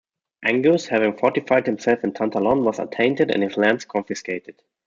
Angus, having fortified himself in Tantallon, was attainted and his lands confiscated.